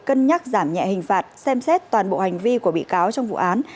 cân nhắc giảm nhẹ hình phạt xem xét toàn bộ hành vi của bị cáo trong vụ án